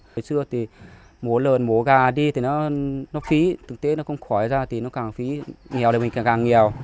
với xưa thì mố lờn mố gà đi thì nó phí từng tế nó không khói ra thì nó càng phí nghèo thì mình càng nghèo